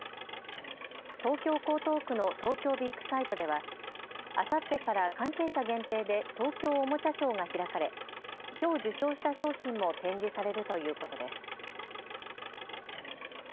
東京江東区の東京ビッグサイトではあさってから関係者限定で東京おもちゃショーが開かれきょう受賞した商品も展示されるということです。